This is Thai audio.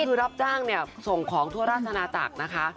คือรับจ้างเนี่ยส่งของทั่วราชนาจักรนะคะ